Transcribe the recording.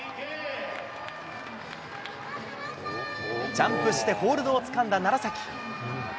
ジャンプしてホールドをつかんだ楢崎。